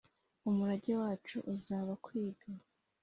umurage wacu uzaba kwiga